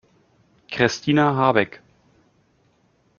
Christina Habeck?